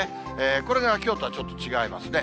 これがきょうとはちょっと違いますね。